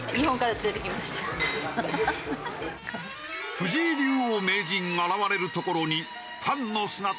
藤井竜王・名人現れる所にファンの姿あり。